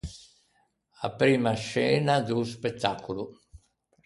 A primma scena do spettacolo.